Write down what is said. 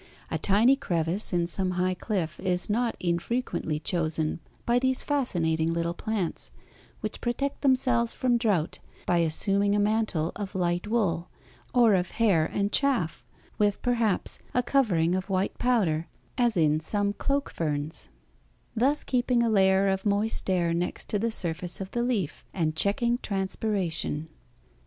A tiny crevice in some high cliff is not infrequently chosen by these fascinating little plants, which protect themselves from drought by assuming a mantle of light wool, or of hair and chaff, with, perhaps, a covering of white powder as in some cloak ferns thus keeping a layer of moist air next to the surface of the leaf, and checking transpiration.